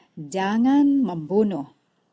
yang keenam jangan membunuh